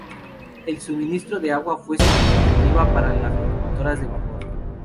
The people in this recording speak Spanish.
El suministro de agua fue significativa para las locomotoras de vapor.